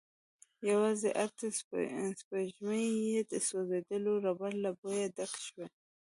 يواځې ارته سپږمې يې د سوځيدلې ربړ له بويه ډکې شوې.